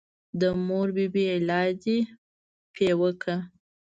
د مور بي بي علاج دې پې وکه.